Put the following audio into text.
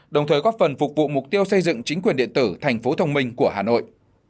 đồng thời góp phần phục vụ mục tiêu xây dựng chính quyền điện tử thành phố thông minh của hà nội